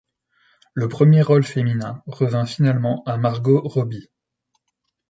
Le premier rôle féminin revient finalement à Margot Robbie.